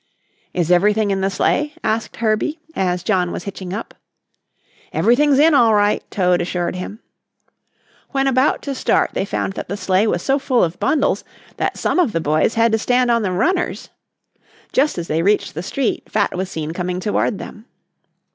"Is everything in the sleigh?" asked Herbie, as John was hitching up. "Everything's in all right," Toad assured him. When about to start they found that the sleigh was so full of bundles that some of the boys had to stand on the runners. Just as they reached the street, Fat was seen coming toward them.